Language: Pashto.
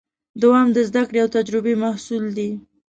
دوام د زدهکړې او تجربې محصول دی.